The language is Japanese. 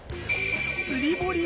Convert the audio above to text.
釣り堀？